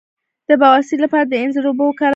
د بواسیر لپاره د انځر اوبه وکاروئ